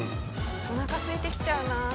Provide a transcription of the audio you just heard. お腹すいてきちゃうな。